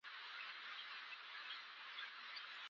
په هرات کې پښتانه د ژبې د حقوقو څخه محروم دي.